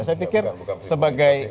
saya pikir sebagai